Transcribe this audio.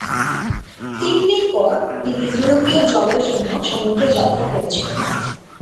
তিন দিন পর, তিনি ইউরোপীয় জলের জন্য সমুদ্রে যাত্রা করেছিলেন।